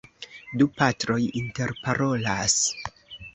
Du patroj interparolas.